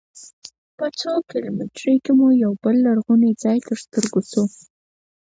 په څو کیلومترۍ کې مو یوه بل لرغونی ځاې تر سترګو سو.